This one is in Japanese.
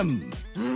うん。